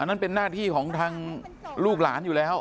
นั่นเป็นหน้าที่ของทางลูกหลานอยู่แล้ว